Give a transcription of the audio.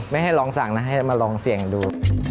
ไม่ให้ลองสั่งนะให้มาลองเสี่ยงดู